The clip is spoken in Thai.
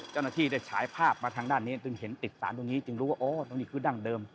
เจ้าหน้าที่ได้ฉายภาพมาทางด้านนี้จึงเห็นติดสารตรงนี้จึงรู้ว่าโอ้ตรงนี้คือดั้งเดิม